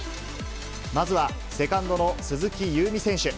まずはセカンドの鈴木夕湖選手。